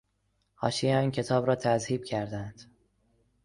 حاشیهٔ آن کتاب را تذهیب کردهاند.